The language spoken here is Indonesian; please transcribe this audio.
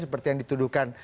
seperti yang dituduhkan